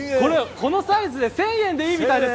このサイズで１０００円でいいみたいです。